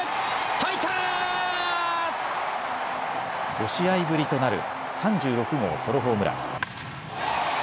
５試合ぶりとなる３６号ソロホームラン。